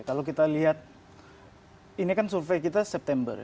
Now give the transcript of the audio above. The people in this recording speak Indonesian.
kalau kita lihat ini kan survei kita september